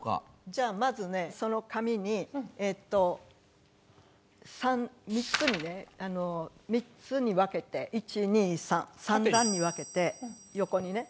じゃあまずねその紙にえっと３３つにね３つに分けて１２３３段に分けて横にね。